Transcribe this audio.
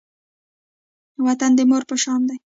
وطن د مور په شان دی